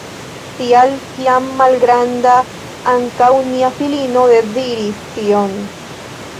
Tial, kiam malgranda, ankaŭ nia filino deziris tion.